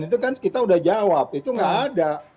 itu kan kita udah jawab itu nggak ada